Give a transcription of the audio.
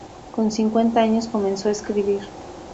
Con cincuenta años comenzó a escribir.